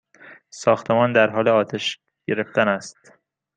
ساختمان در حال آتش گرفتن است!